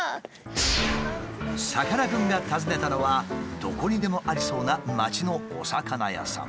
さかなクンが訪ねたのはどこにでもありそうな町のお魚屋さん。